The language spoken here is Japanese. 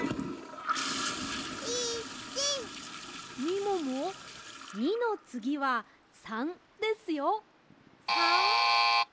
みもも２のつぎは３ですよ。